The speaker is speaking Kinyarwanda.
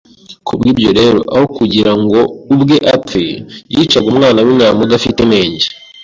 Ku bw’ibyo rero, aho kugira ngo ubwe apfe, yicaga umwana w’intama udafite inenge